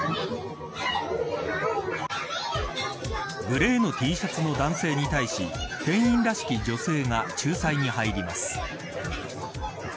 グレーのＴシャツの男性に対し店員らしき女性が仲裁に入ります。